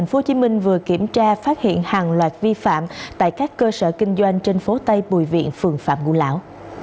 công an quận một tp hcm vừa kiểm tra phát hiện hàng loạt vi phạm tại các cơ sở kinh doanh trên phố tây bùi viện phường phạm ngũ lão